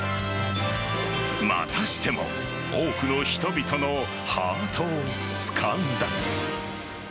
またしても多くの人々のハートをつかんだ。